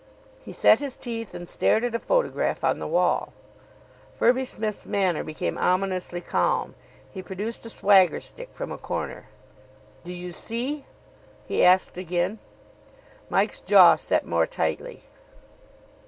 He set his teeth, and stared at a photograph on the wall. Firby Smith's manner became ominously calm. He produced a swagger stick from a corner. "Do you see?" he asked again. Mike's jaw set more tightly.